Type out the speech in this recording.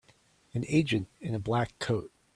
an agent in a black coat.